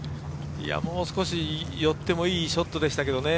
もう少し寄ってもいいショットでしたけどね。